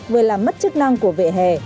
vừa làm mất chức năng của vỉa hè